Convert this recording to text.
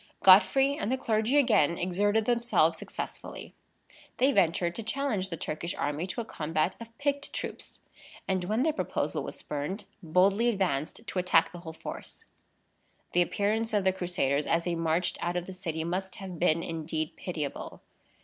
Godfrey and the clergy again exerted themselves successfully. They ventured to challenge the Turkish army to a combat of picked troops; and when the proposal was spurned, boldly advanced to attack the whole force. The appearance of the Crusaders, as they marched out of the city, must have been indeed pitiable.